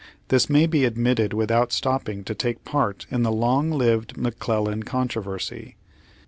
This may be ad mitted without stopping to take part in the long lived McClellan controversy.